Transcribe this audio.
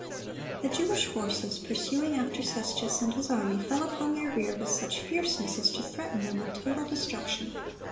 The Jewish forces, pursuing after Cestius and his army, fell upon their rear with such fierceness as to threaten them with total destruction.